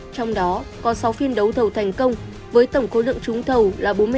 trong đó có sáu phiên đấu thầu thành công với tổng cố lượng trúng thầu là bốn mươi tám năm trăm linh thầu